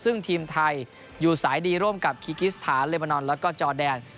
ซึ่งทีมไทยอยู่สายดีร่วมกับคีกิสถานเมอนอนแล้วก็จอแดน